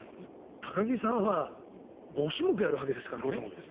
高木さんは５種目やるわけですからね。